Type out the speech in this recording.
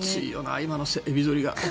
今のエビぞりが。